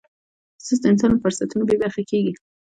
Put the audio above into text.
سست انسان له فرصتونو بې برخې کېږي.